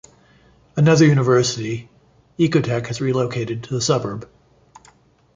Another university, Ecotec has relocated to the suburb.